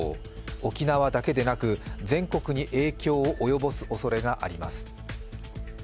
沖縄だけでなく、全国に影響を及ぼすおそれがあります。